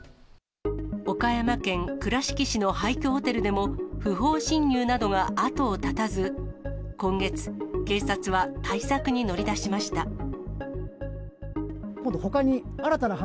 岡山県倉敷市の廃虚ホテルでも、不法侵入などが後を絶たず、今月、警察は対策に乗り出しました。